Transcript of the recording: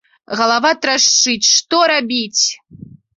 Галава трашчыць, што рабіць!